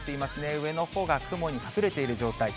上のほうが雲に隠れている状態。